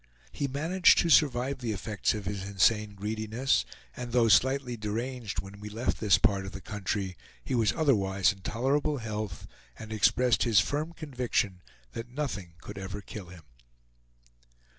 He managed to survive the effects of his insane greediness, and though slightly deranged when we left this part of the country, he was otherwise in tolerable health, and expressed his firm conviction that nothing could ever kill him.